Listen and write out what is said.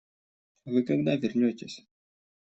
Вы когда вернетесь?